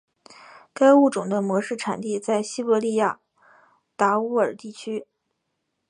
该物种的模式产地在西伯利亚达乌尔地区。